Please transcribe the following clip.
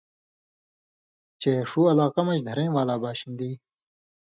چے ݜُو علاقہ مژ دھرَیں والا باشِندی